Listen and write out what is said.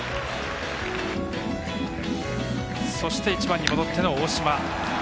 そして、１番に戻っての大島。